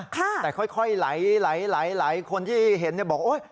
แต่ค่อยไหลคนที่เห็นเนี่ยบอก